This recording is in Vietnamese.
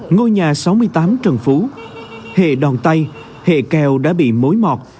ngôi nhà sáu mươi tám trần phú hệ đòn tay hệ kèo đã bị mối mọt